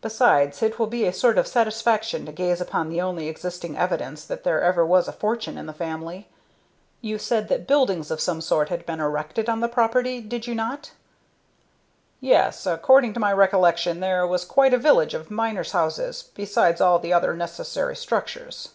Besides, it will be a sort of satisfaction to gaze upon the only existing evidence that there ever was a fortune in the family. You said that buildings of some sort had been erected on the property, did you not?" "Yes, according to my recollection there was quite a village of miners' houses, besides all the other necessary structures."